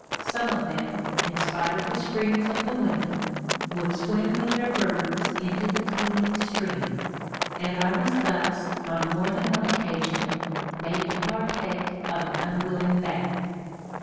Some of them, in spite of the screams of the women, would swim with their burdens into the cooling stream, and I was thus, on more than one occasion, made to partake of an unwilling bath.